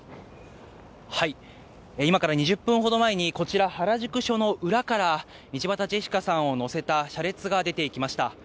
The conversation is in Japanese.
今から２０分ほど前に、こちら、原宿署の裏から道端ジェシカさんを乗せた車列が出ていきました。